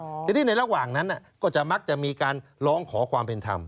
ทีนี้ในระหว่างนั้นก็จะมักจะมีการร้องขอความเป็นธรรม